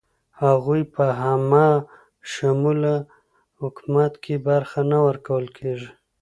هغوی په همه شموله حکومت کې برخه نه ورکول کیږي.